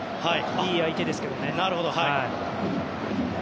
いい相手ですけどね。